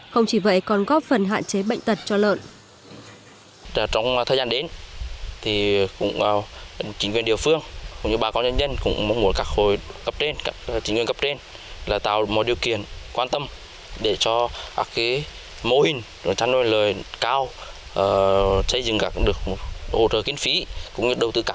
không chỉ vậy còn góp phần hạn chế bệnh tật cho lợn